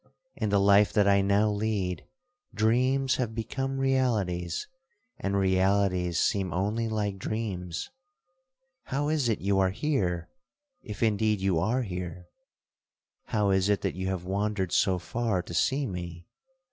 in the life that I now lead, dreams have become realities, and realities seem only like dreams. How is it you are here, if indeed you are here?—how is it that you have wandered so far to see me?